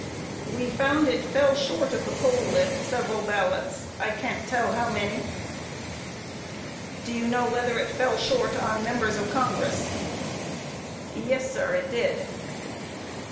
We found it fell short of the poll list several ballots; I can't tell how many. Q. Do you know whether it fell short on members of Congress? A. Yes, sir, it did.